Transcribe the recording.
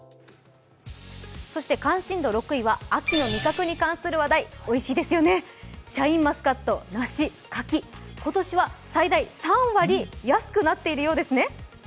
そして関心度６位は秋の味覚に関する話題、おいしいですよね、シャインマスカット、梨、柿、今年は最大３割安くなっているようですね。